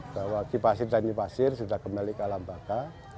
bahwa kipasir dan nyipasir sudah kembali ke alam bakar